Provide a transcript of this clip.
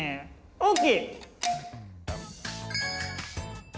ＯＫ！